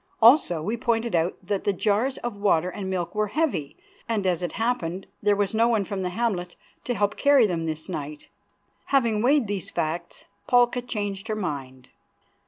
Also we pointed out that the jars of water and milk were heavy, and, as it happened, there was no one from the hamlet to help to carry them this night. Having weighed these facts, Palka changed her mind.